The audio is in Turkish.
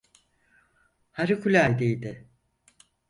Harikuladeydi.